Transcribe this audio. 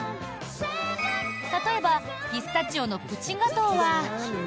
例えばピスタチオのプチガトーは。